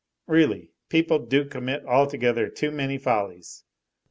Really, people do commit altogether too many follies.